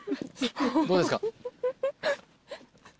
どうですか？